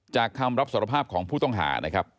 คำรับสารภาพของผู้ต้องหานะครับ